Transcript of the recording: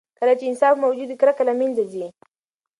کله چې انصاف موجود وي، کرکه له منځه ځي.